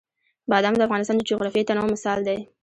بادام د افغانستان د جغرافیوي تنوع مثال دی.